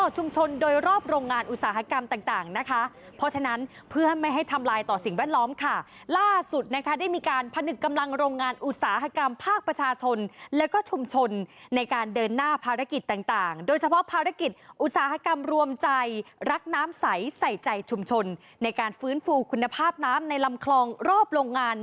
ชุมชนโดยรอบโรงงานอุตสาหกรรมต่างนะคะเพราะฉะนั้นเพื่อไม่ให้ทำลายต่อสิ่งแวดล้อมค่ะล่าสุดนะคะได้มีการผนึกกำลังโรงงานอุตสาหกรรมภาคประชาชนแล้วก็ชุมชนในการเดินหน้าภารกิจต่างโดยเฉพาะภารกิจอุตสาหกรรมรวมใจรักน้ำใสใส่ใจชุมชนในการฟื้นฟูคุณภาพน้ำในลำคลองรอบโรงงาน